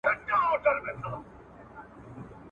له بېلتانه روسته لومړی ځل ښکل کړې